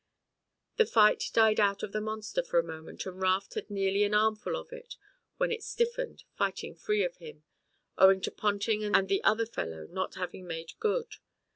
The fight died out of the monster for a moment and Raft had nearly an armful of it in when it stiffened, fighting free of him, owing to Ponting and the other fellow not having made good.